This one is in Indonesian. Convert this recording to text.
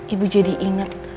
ibu jadi inget